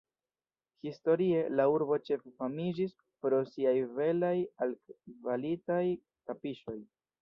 Historie, la urbo ĉefe famiĝis pro siaj belaj, altkvalitaj tapiŝoj.